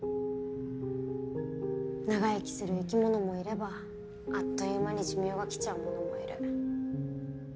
長生きする生き物もいればあっという間に寿命が来ちゃうものもいる。